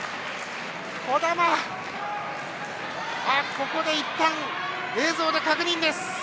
ここでいったん映像で確認します。